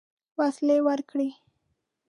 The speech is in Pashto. وسلې ورکړې.